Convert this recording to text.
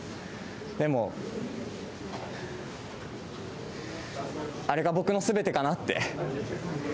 でも、あれが僕のすべてかなって。